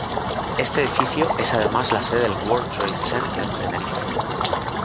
Este edificio es además la sede del World Trade Center Tenerife.